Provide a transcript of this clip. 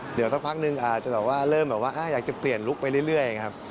เดี๋ยวสักพักหนึ่งจะเริ่มแบบว่าอยากจะเปลี่ยนลุกไปเรื่อยอย่างนี้ครับ